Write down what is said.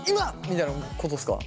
みたいなことですか？